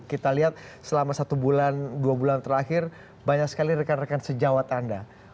kita lihat selama satu bulan dua bulan terakhir banyak sekali rekan rekan sejawat anda